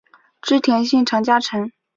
织田信长家臣。